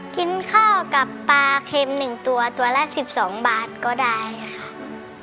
กินข้าวกับปลาเค็ม๑ตัวตัวละ๑๒บาทก็ได้ค่ะ